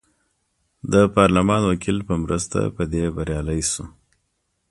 د پارلمان وکیل په مرسته په دې بریالی شو.